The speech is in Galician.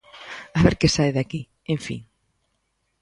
A ver que sae de aquí, en fin.